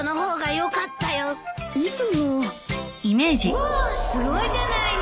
わあすごいじゃないの！